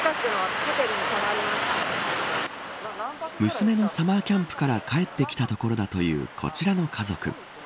娘のサマーキャンプから帰ってきたところだというこちらの家族。